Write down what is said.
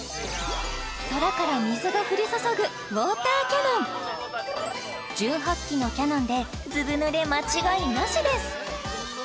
空から水が降り注ぐ１８基のキャノンでズブ濡れ間違いなしです！